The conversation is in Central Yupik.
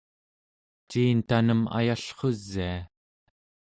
ciin tanem ayallrusia?